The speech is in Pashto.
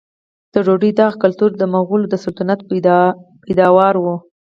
د ډوډۍ دغه کلتور د مغولو د سلطنت پیداوار و.